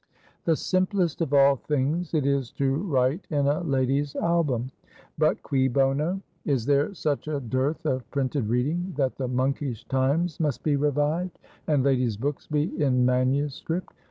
The simplest of all things it is to write in a lady's album. But Cui Bono? Is there such a dearth of printed reading, that the monkish times must be revived, and ladies books be in manuscript?